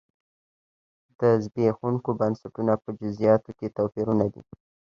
د زبېښونکو بنسټونو په جزییاتو کې توپیرونه دي.